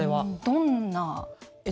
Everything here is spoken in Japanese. どんな？